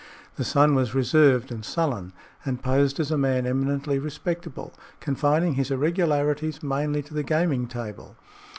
The son was reserved and sullen, and posed as a man eminently respectable, confining his irregularities mainly to the gaming table.